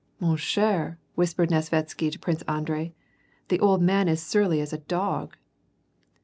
" Man cheTj^ whispered Nesvitsky to Prince Andrei, " the old man is as surly as a dog."